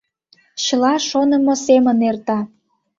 Чыла шонымо семын эрта!